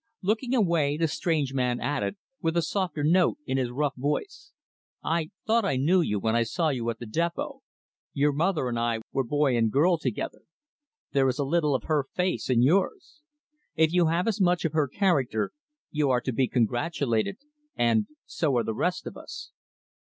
Looking away, the strange man added, with a softer note in his rough voice, "I thought I knew you, when I saw you at the depot. Your mother and I were boy and girl together. There is a little of her face in yours. If you have as much of her character, you are to be congratulated and so are the rest of us."